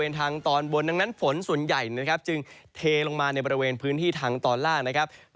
ออกทางตอนบนดังนั้นฝนส่วนใหญ่ก็จึงเทลงมาหมายในประเนณภ์พื้นที่ตอนด้านล่าง